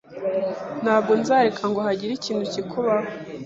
Ntabwo nzareka ngo hagire ikintu kikubaho.